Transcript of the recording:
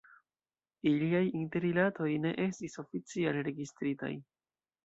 Iliaj interrilatoj ne estis oficiale registritaj.